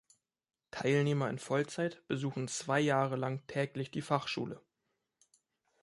Teilnehmer in Vollzeit besuchen zwei Jahre lang täglich die Fachschule.